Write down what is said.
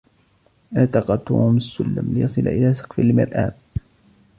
ارتقى توم السلم ليصل إلى سقف المرآب.